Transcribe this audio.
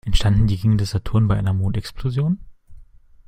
Entstanden die Ringe des Saturn bei einer Mondexplosion?